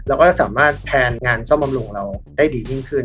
เราก็จะสามารถแพลนงานซ่อมบำรุงเราได้ดียิ่งขึ้น